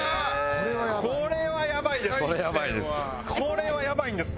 これはやばいんです。